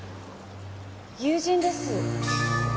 友人です。